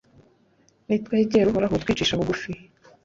Nitwegera Uhoraho twicishije bugufi,